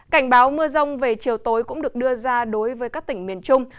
cảnh báo mưa rông về chiều tối cũng được đưa ra đối với các tỉnh miền trung